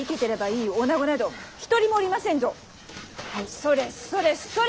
それそれそれ！